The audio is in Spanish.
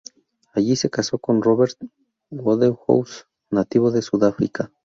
Allí se casó con Robert Wodehouse, nativo de Sudáfrica.